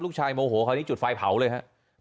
โมโหคราวนี้จุดไฟเผาเลยครับ